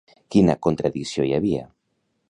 Quina contradicció hi havia?